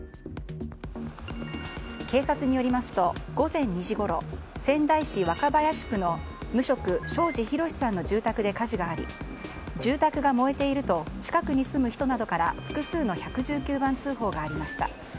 警察によりますと、午前２時ごろ仙台市若林区の無職庄子博さんの住宅で火事があり住宅が燃えていると近くに住む人などから複数の１１９番通報がありました。